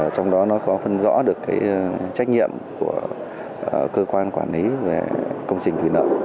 trong đó nó có phân rõ được cái trách nhiệm của cơ quan quản lý về công trình thủy lợi